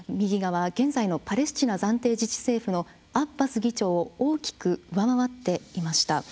現在のパレスチナ暫定自治政府のアッバス議長を大きく上回っていました。